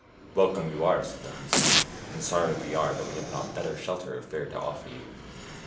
" Welcome you are," said the huntsman, " and sorry we are that we have not better shelter or fare to offer you."